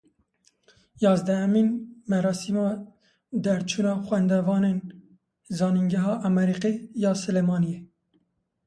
Yazdehemîn merasîma derçûna xwendevanên Zanîngeha Amerîkî ya Silêmaniyê.